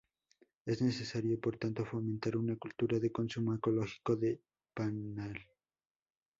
Es necesario por tanto fomentar una cultura de consumo ecológico del pañal.